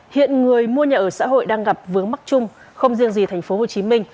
hiện người mua nhà ở xã hội đang gặp vướng mắt chung không riêng gì tp hcm